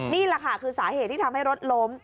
นี่แหละค่ะคือสาเหตุที่ทำให้รถล้ม